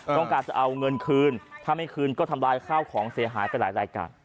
ต้องการจะเอาเงินคืนถ้าไม่คืนก็ทำลายข้าวของเสียหายไปหลายรายการ